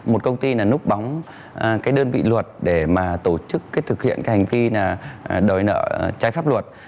một công ty là núp bóng cái đơn vị luật để mà tổ chức cái thực hiện cái hành vi là đòi nợ trái pháp luật